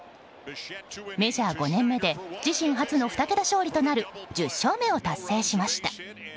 メジャー５年目で自身初の２桁勝利となる１０勝目を達成しました。